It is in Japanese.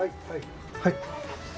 はい。